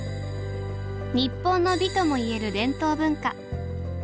日本の美ともいえる伝統文化。